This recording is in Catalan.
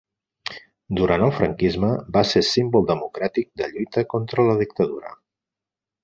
Durant el franquisme va ser símbol democràtic de lluita contra la dictadura.